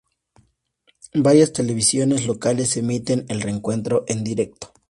Varias televisiones locales emiten el reencuentro en directo.